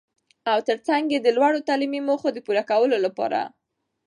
او تر څنګ يې د لوړو تعليمي موخو د پوره کولو لپاره.